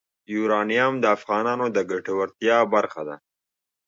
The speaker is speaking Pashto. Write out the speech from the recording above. یورانیم د افغانانو د ګټورتیا برخه ده.